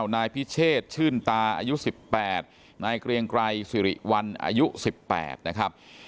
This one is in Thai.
นายพิเชษชื่นตาอายุ๑๘นายเกรียงไกรสิริวัลอายุ๑๘นะครับ